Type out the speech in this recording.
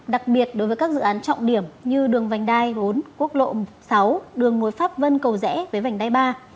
đặc biệt đối với các dự án trọng điểm như đường vành đai bốn quốc lộ sáu đường nối pháp vân cầu rẽ với vành đai ba